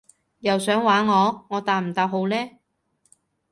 又想玩我？我答唔答好呢？